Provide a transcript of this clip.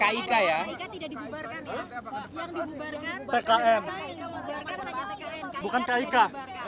pak prabowo ketemu bung mega